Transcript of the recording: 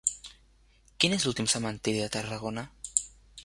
Quin és l'últim cementiri de Tarragona?